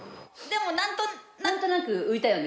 なんとなく浮いたよね？